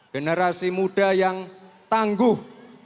generasi muda yang tangguh